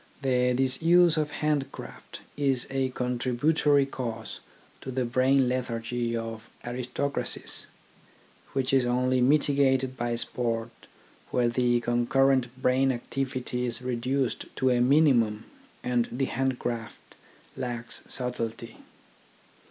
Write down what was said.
The disuse of hand craft is a contributory cause to the brain lethargy of aristocracies, which is only mitigated by sport where the concurrent brain activity is reduced to a minimum and the hand craft lacks subtlety.